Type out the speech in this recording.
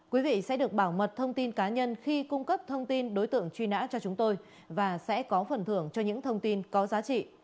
quý vị sẽ được bảo mật thông tin cá nhân khi cung cấp thông tin đối tượng truy nã cho chúng tôi và sẽ có phần thưởng cho những thông tin có giá trị